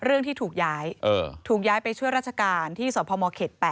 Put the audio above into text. เรื่องที่ถูกย้ายถูกย้ายไปช่วยราชการที่สพมเขต๘